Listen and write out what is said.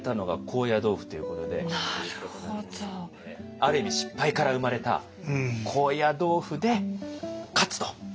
ある意味失敗から生まれた「高野豆腐ＤＥカツ！」と。